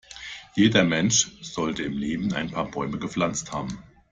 Jeder Mensch sollte im Leben ein paar Bäume gepflanzt haben.